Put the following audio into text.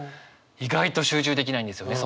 意外と集中できないんですよね